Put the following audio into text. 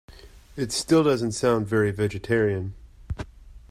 It still doesn’t sound very vegetarian.